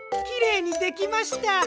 きれいにできました。